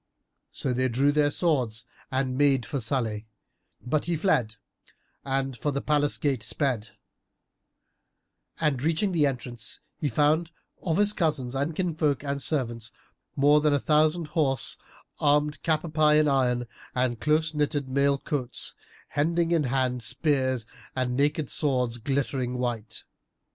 So they drew their swords and made for Salih but he fled and for the palace gate sped; and reaching the entrance, he found of his cousins and kinsfolk and servants, more than a thousand horse armed cap à pie in iron and close knitted mail coats, hending in hand spears and naked swords glittering white.